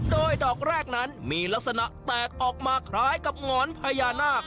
โดยดอกแรกนั้นมีลักษณะแตกออกมาคล้ายกับหงอนพญานาค